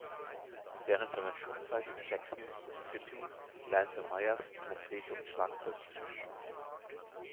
Während seiner Schulzeit in Jackson, Mississippi, lernte Myers Trompete und Schlagzeug zu spielen.